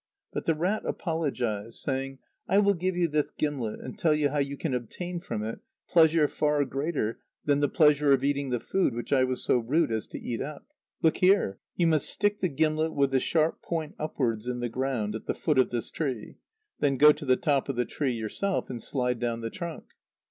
But the rat apologised, saying: "I will give you this gimlet and tell you how you can obtain from it pleasure far greater than the pleasure of eating the food which I was so rude as to eat up. Look here! you must stick the gimlet with the sharp point upwards in the ground at the foot of this tree; then go to the top of the tree yourself, and slide down the trunk."